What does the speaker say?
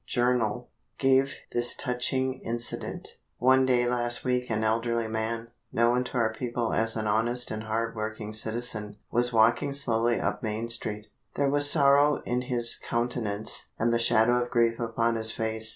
Journal gave this touching incident: "One day last week an elderly man, known to our people as an honest and hard working citizen, was walking slowly up Main street. There was sorrow in his countenance, and the shadow of grief upon his face.